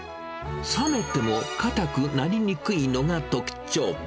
冷めてもかたくなりにくいのが特徴。